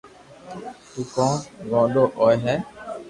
تو ڪون گوڌو ھوئي ھي